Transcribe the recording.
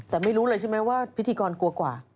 แต่ไม่รู้เลยใช่ไหมว่าพิธีกรกลัวกว่า